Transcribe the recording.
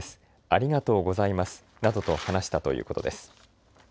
ありがとうございますなどと話したということです。